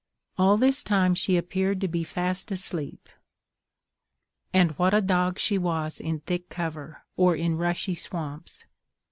All this time she appeared to be fast asleep. And what a dog she was in thick cover, or in rushy swamps!